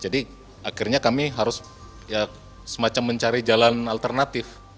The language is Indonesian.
jadi akhirnya kami harus semacam mencari jalan alternatif